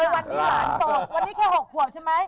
วันนี้แค่หกหัวใช่ไหม